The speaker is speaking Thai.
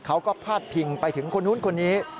พาดพิงไปถึงคนนู้นคนนี้